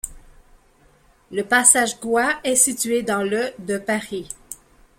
Le passage Goix est situé dans le de Paris.